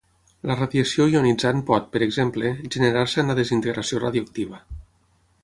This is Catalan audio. La radiació ionitzant pot, per exemple, generar-se en la desintegració radioactiva.